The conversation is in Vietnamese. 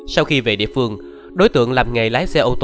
sau khi về địa phương đối tượng làm nghề lái xe ô tô chở hàng thuê